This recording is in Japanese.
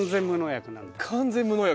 完全無農薬？